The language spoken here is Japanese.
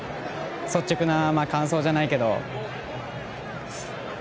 率直な感想じゃないけど。